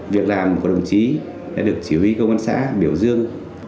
việc làm của đồng chí đã được chỉ huy công an xã biểu dương